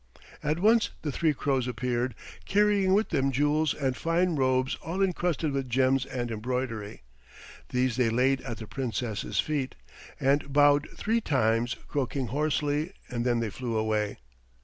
At once the three crows appeared, carrying with them jewels and fine robes all encrusted with gems and embroidery. These they laid at the Princess's feet and bowed three times, croaking hoarsely, and then they flew away.